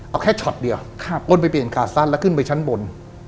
เอาแค่ช็อตเดียวครับโอ้นไปเปลี่ยนแล้วขึ้นไปชั้นบน